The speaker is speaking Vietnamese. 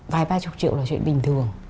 vài ba chục triệu là chuyện bình thường